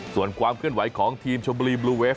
ส่วนความเคลื่อนไหวของทีมชมบุรีบลูเวฟ